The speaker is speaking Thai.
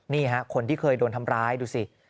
นี่ฮะคนที่เคยโดนทำร้ายดูสิ